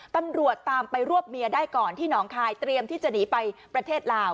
ตำรวจตามไปรวบเมียได้ก่อนที่หนองคายเตรียมที่จะหนีไปประเทศลาว